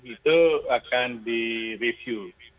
itu akan di review